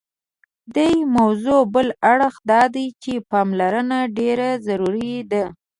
دې موضوع بل اړخ دادی چې پاملرنه ډېره ضروري ده.